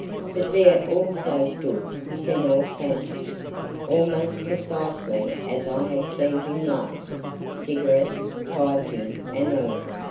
But there also stood Senhor Santos, almost precisely as I had seen him last, cigarette, tie pin, and all.